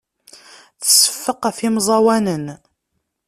Tseffeq ɣef yemẓawanen.